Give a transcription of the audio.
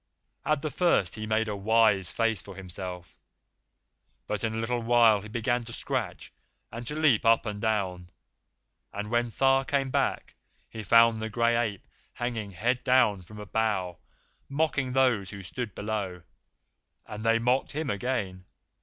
At the first he made a wise face for himself, but in a little while he began to scratch and to leap up and down, and when Tha came back he found the Gray Ape hanging, head down, from a bough, mocking those who stood below; and they mocked him again.